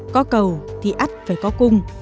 có cầu thì ắt phải có cung